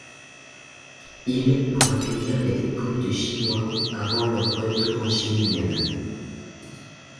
Il pour accueillir les dépouilles de Chinois avant leur retour en Chine même.